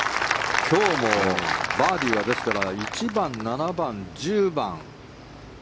今日もバーディーはですから１番、７番、１０番、１６番。